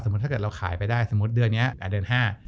ถ้าเกิดเราขายไปได้สมมุติเดือนนี้เดือนห้า